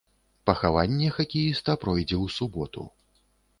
Пахаванне хакеіста пройдзе ў суботу.